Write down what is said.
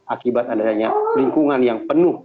akibat adanya lingkungan yang penuh